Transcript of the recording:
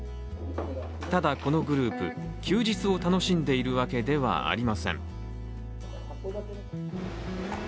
ただ、このグループ休日を楽しんでいるわけではありません。